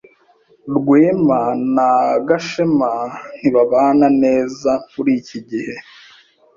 Rwema na Gashema ntibabana neza muri iki gihe.